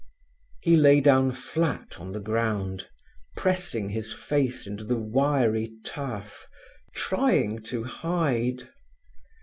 He lay down flat on the ground, pressing his face into the wiry turf, trying to hide.